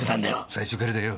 最初からだよ！